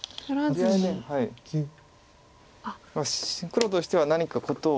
黒としては何か事を。